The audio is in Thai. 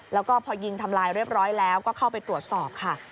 แล้วก็พอยิงทำลายเรียบร้อยแล้วก็เข้าไปตรวจสอบค่ะ